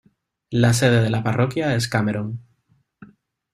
La sede de la parroquia es Cameron.